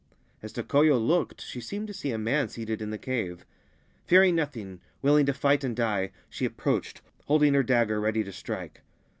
As Tokoyo looked she seemed to see ; man seated in the cave. Fearing nothing, willing to figh and die, she approached, holding her dagger ready t< strike.